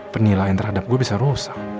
penilaian terhadap gue bisa rusak